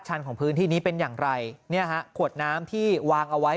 ของพื้นที่นี้เป็นอย่างไรเนี่ยฮะขวดน้ำที่วางเอาไว้